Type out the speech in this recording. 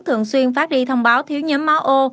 thường xuyên phát đi thông báo thiếu nhóm máu ô